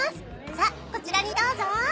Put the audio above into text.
さあこちらにどうぞ。